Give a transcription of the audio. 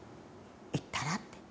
「行ったら」って。